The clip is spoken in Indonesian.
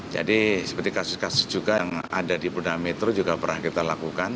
jadi seperti kasus kasus juga yang ada di pulau dhamitru juga pernah kita lakukan